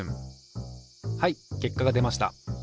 はい結果が出ました。